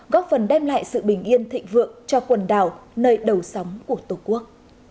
góp phần đem lại sự bình yên thịnh vượng cho quần đảo nơi đầu sóng của tổ quốc